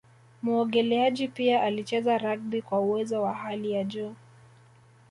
Muogeleaji pia alicheza rugby kwa uwezo wa hali ya juu